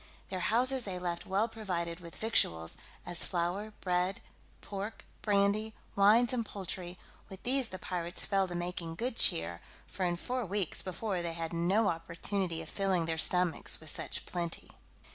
Their houses they left well provided with victuals, as flour, bread, pork, brandy, wines, and poultry, with these the pirates fell to making good cheer, for in four weeks before they had no opportunity of filling their stomachs with such plenty.